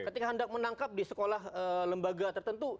ketika hendak menangkap di sekolah lembaga tertentu